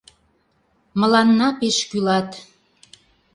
Мыланна пеш кӱлат.